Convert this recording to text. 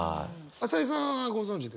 朝井さんはご存じですか？